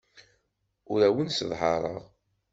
Ur awen-sseḍhareɣ.